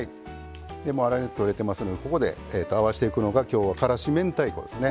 もう粗熱取れてますのでここで合わせていくのが今日はからし明太子ですね。